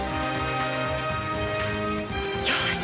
よし！